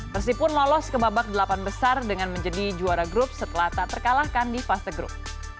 persib pun lolos ke babak delapan besar dengan menjadi juara grup setelah tak terkalahkan di fase grup